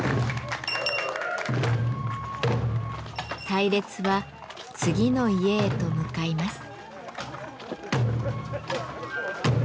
隊列は次の家へと向かいます。